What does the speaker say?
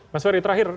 mas wary terakhir